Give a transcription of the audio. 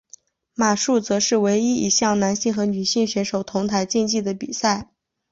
马术则是唯一一项男性和女性选手同台竞技的比赛。